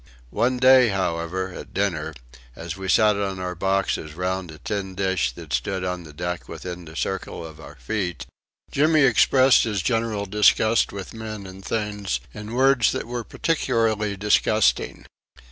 One day, however, at dinner, as we sat on our boxes round a tin dish that stood on the deck within the circle of our feet, Jimmy expressed his general disgust with men and things in words that were particularly disgusting.